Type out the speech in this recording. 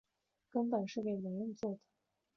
根本是给男人做的